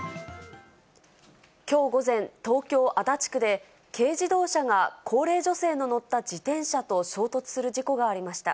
きょう午前、東京・足立区で、軽自動車が高齢女性の乗った自転車と衝突する事故がありました。